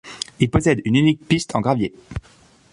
Il possède une unique piste en gravier.